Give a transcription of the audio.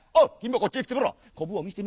こっちへ来てみろ。